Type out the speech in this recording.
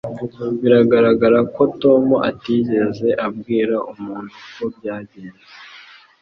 Biragaragara ko Tom atigeze abwira umuntu uko byagenze